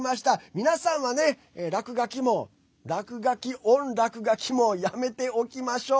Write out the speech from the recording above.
皆さんは、落書きも落書きオン落書きもやめておきましょう。